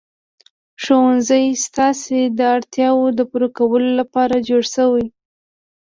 ښوونځی ستاسې د اړتیاوو د پوره کولو لپاره جوړ شوی.